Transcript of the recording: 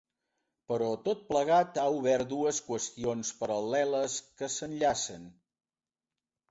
Però tot plegat ha obert dues qüestions paral·leles que s’enllacen.